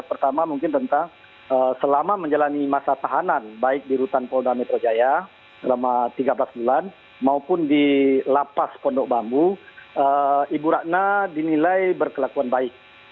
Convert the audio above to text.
pertama mungkin tentang selama menjalani masa tahanan baik di rutan polda metro jaya selama tiga belas bulan maupun di lapas pondok bambu ibu ratna dinilai berkelakuan baik